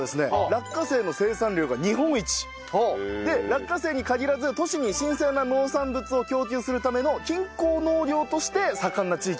落花生の生産量が日本一で落花生に限らず都市に新鮮な農産物を供給するための近郊農業として盛んな地域なんです。